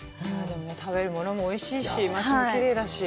食べるものもおいしいし、街もきれいだし。